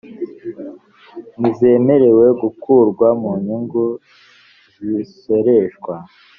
ntizemerewe gukurwa mu nyungu zisoreshwa